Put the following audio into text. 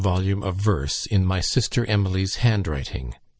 volume of verse, in my sister Emily's handwriting.